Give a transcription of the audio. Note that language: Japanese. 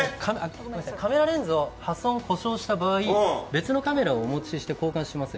カメラレンズを破損・故障した場合別のカメラをお持ちして交換します。